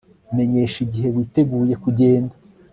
Menyesha igihe witeguye kugenda